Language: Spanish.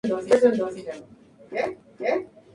Se preparó para la lucha.